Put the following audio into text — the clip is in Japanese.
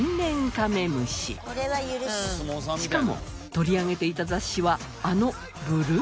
しかも取り上げていた雑誌はあの。